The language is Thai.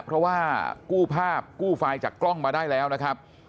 เพราะว่ากู้ภาพกู้ไฟล์จากกล้องมาได้แล้วนะครับ